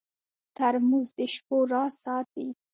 ترموز د شپو راز ساتي.